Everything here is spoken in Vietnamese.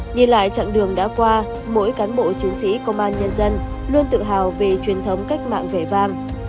nhìn lại chặng đường đã qua mỗi cán bộ chiến sĩ công an nhân dân luôn tự hào về truyền thống cách mạng vẻ vang